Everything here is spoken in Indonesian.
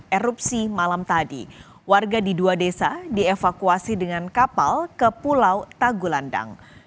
erupsi malam tadi warga di dua desa dievakuasi dengan kapal ke pulau tagulandang